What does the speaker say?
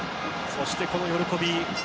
そしてこの喜び。